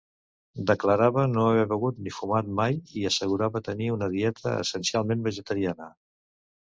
Declarava no haver begut ni fumat mai, i assegurava tenir una dieta essencialment vegetariana.